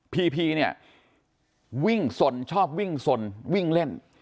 พี่เนี่ยชอบวิ่งสนวิ่งเล่น